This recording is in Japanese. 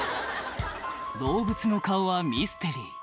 動物の顔はミステリー